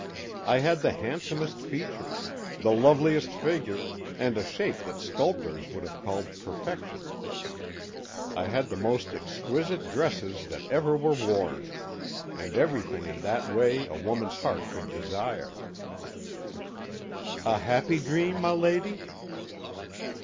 I had the handsomest features, the loveliest figure, and a shape that sculptors would have called perfection. I had the most exquisite dresses that ever were worn, and everything in that way a woman's heart could desire." "A happy dream, my lady!"